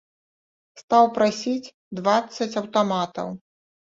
Стаў прасіць дваццаць аўтаматаў.